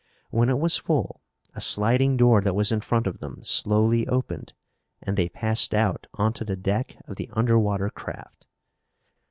When it was full a sliding door that was in front of them slowly opened and they passed out onto the deck of the underwater craft.